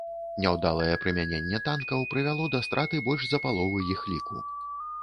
Няўдалае прымяненне танкаў прывяло да страты больш за паловы іх ліку.